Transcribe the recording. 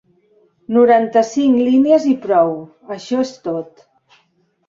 Noranta-cinc línies i prou, això és tot.